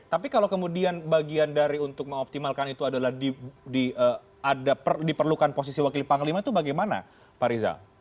tapi kalau kemudian bagian dari untuk mengoptimalkan itu adalah diperlukan posisi wakil panglima itu bagaimana pak riza